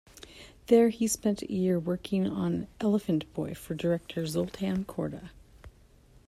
There, he spent a year working on "Elephant Boy" for director Zoltan Korda.